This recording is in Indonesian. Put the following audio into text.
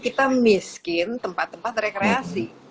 kita miskin tempat tempat rekreasi